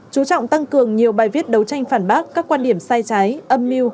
chú trọng tăng cường nhiều bài viết đấu tranh phản bác các quan điểm sai trái âm mưu